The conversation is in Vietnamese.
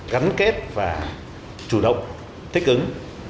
gắn kết và chủ động thích ứng